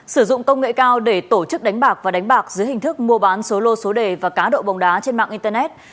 sử dụng công nghệ cao để tổ chức đánh bạc và đánh bạc dưới hình thức mua bán số lô số đề và cá độ bóng đá trên mạng internet